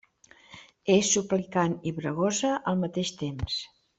És suplicant i bregosa al mateix temps.